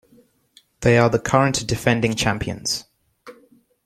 They are the current defending champions.